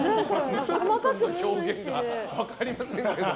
表現が分かりませんけど。